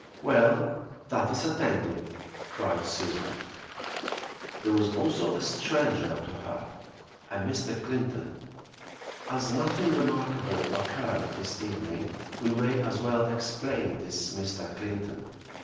"Well, that is attentive!" cried Susan. There was also a stranger to her, a Mr. Clinton. As nothing remarkable occurred this evening, we may as well explain this Mr. Clinton.